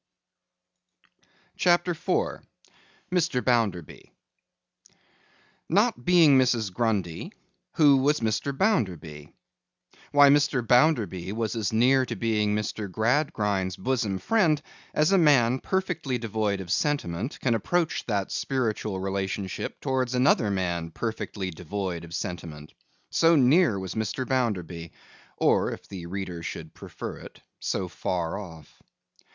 CHAPTER IV MR. BOUNDERBY NOT being Mrs. Grundy, who was Mr. Bounderby? Why, Mr. Bounderby was as near being Mr. Gradgrind's bosom friend, as a man perfectly devoid of sentiment can approach that spiritual relationship towards another man perfectly devoid of sentiment. So near was Mr. Bounderby—or, if the reader should prefer it, so far off.